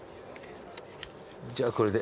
じゃあこれで。